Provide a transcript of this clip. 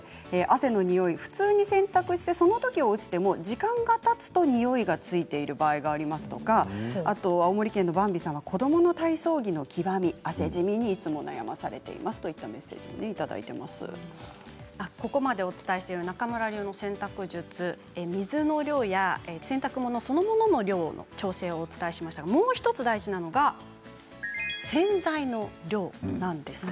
汗のにおい、普通に洗濯してそのとき落ちても、時間がたつとにおいがついている場合がありますとか青森県の方は、子どもの体操着の黄ばみ、汗じみにいつも悩まされていますという中村流の洗濯術水の量や洗濯物その物の量の調整をお伝えしましたがもう１つ大事なのが洗剤の量なんです。